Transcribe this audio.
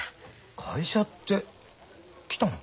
会社って来たの？